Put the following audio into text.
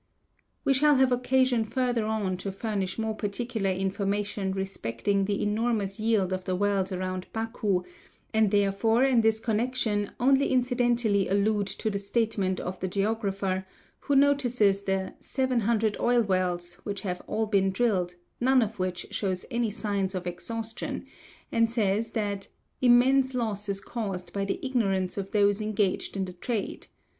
"We shall have occasion further on to furnish more particular information respecting the enormous yield of the wells around Baku, and therefore in this connection only incidentally allude to the statement of the geographer, who notices the 'seven hundred oil wells' which have all been drilled, none of which shows any signs of exhaustion, and says that 'immense loss is caused by the ignorance of those engaged in the trade.